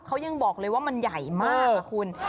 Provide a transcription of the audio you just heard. เขายังบอกเลยว่ามันใหญ่มากนะคุณ